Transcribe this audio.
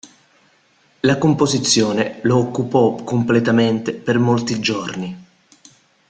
La composizione lo occupò completamente per molti giorni.